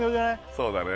そうだね